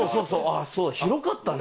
広かったね